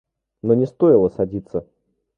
Но не стоило садиться.